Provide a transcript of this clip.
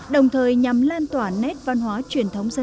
đồng thời nhằm lan tỏa nét văn hóa truyền thống giai đoạn